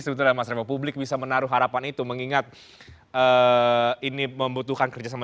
sebetulnya mas revo publik bisa menaruh harapan itu mengingat ini membutuhkan kerjasama